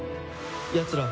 やつら